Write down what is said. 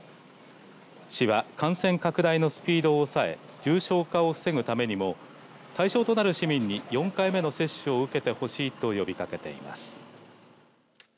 市は、感染拡大のスピードを抑え重症化を防ぐためにも対象となる市民に４回目の接種を受けてほしいと呼びかけています。